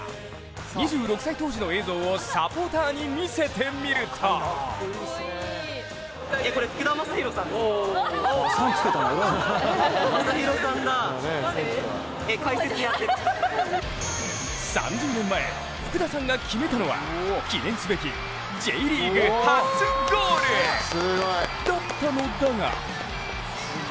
２６歳当時の映像をサポーターに見せてみると３０年前、福田さんが決めたのは記念すべきＪリーグ初ゴールだったのだが。